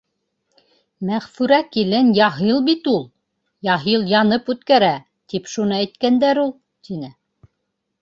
— Мәғфүрә килен яһил бит ул. Яһил янып үткәрә, тип шуны әйткәндәр ул, — тине.